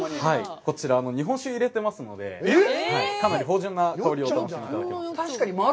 こちら日本酒をいれていますので、かなり芳じゅんな香りを楽しんでいただけます。